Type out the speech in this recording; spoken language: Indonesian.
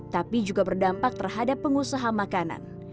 tapi juga berdampak terhadap pengusaha makanan